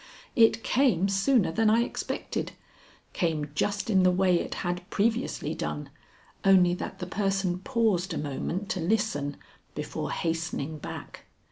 It came sooner than I expected, came just in the way it had previously done, only that the person paused a moment to listen before hastening back.